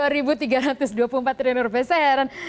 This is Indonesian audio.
rp dua tiga ratus dua puluh empat triliun rupiah saya heran